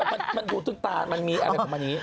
ได้เพราะแบบมันดูดูตาอ่ะมันมีอะไรสมัยนี้